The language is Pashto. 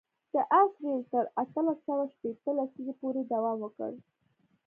د آس رېل تر اتلس سوه شپېته لسیزې پورې دوام وکړ.